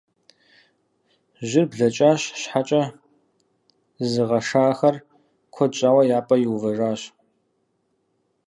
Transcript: Жьыр блэкӀащ, щхьэкӀэ зызыгъэшахэр куэд щӀауэ я пӀэ иувэжащ.